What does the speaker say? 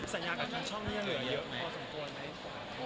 สัญญากับกรุณช่องอยู่เยอะเยอะพอสมควรมั้ย